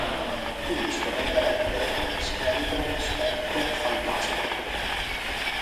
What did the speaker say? Quindi si potrebbe rendere in "scheletro", "spettro", "fantasma".